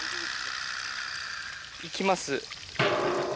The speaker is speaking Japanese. いきます。